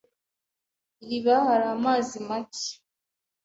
Iriba hari amazi make.